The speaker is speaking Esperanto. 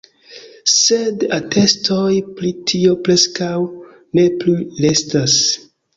Sed atestoj pri tio preskaŭ ne plu restas.